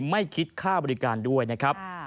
ไม่คิดค่าบริการด้วยนะครับ